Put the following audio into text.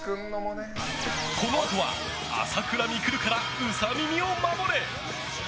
このあとは朝倉未来からウサ耳を守れ！